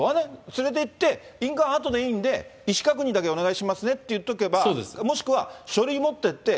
連れてって、印鑑あとでいいんで、意思確認だけお願いしますねって言っておけば、もしくは、書類持ってって